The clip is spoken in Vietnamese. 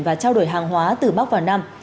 và trao đổi hàng hóa từ bắc vào nam